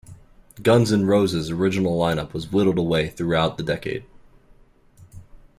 Guns N' Roses' original lineup was whittled away throughout the decade.